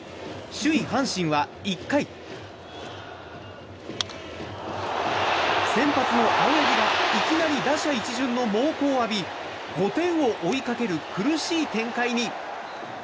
首位、阪神は１回先発の青柳がいきなり打者一巡の猛攻を浴び、５点を追いかける苦しい展開に。